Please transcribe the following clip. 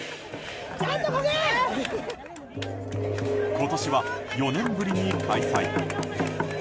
今年は４年ぶりに開催。